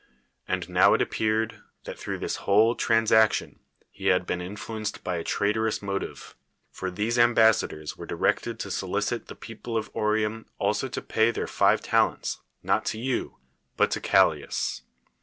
And now it appeared, that throuuh this whole trans action he had been influenced by a traitorous motive; for these ambassadors were directed to solicit the people of Oreum also to pay their five talents, not to you. but to Callias.